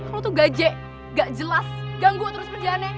lo tuh gaje gak jelas ganggu terus kerjaannya